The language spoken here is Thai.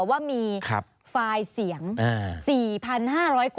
ว่ามีไฟล์เสียง๔๕๐๐คน